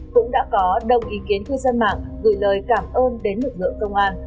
cũng đã có đông ý kiến cư dân mạng gửi lời cảm ơn đến lực lượng công an